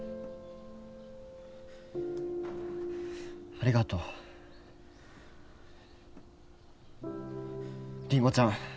ありがとうりんごちゃん